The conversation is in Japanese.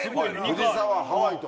藤沢ハワイと。